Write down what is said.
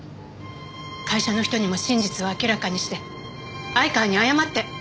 会社の人にも真実を明らかにして相川に謝って。